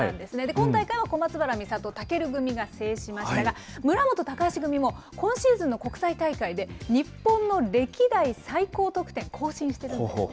今大会は、小松原美里・尊組が制しましたが、村元・高橋組も今シーズンの国際大会で日本の歴代最高得点を更新しているんですね。